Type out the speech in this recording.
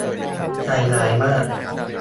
ใจร้ายมาก